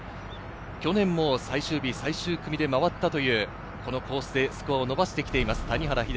去年も最終日、最終組で回ったというこのコースでスコアを伸ばしてきています。